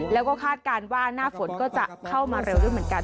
แล้วก็คาดการณ์ว่าหน้าฝนก็จะเข้ามาเร็วด้วยเหมือนกัน